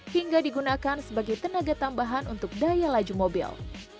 hingga digunakan sebagai tenaga tambahan untuk daya laju mobil